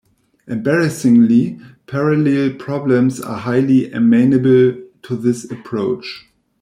Embarrassingly parallel problems are highly amenable to this approach.